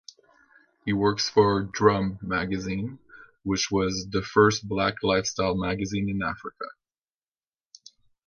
He works for "Drum" magazine, which was "the first black lifestyle magazine in Africa.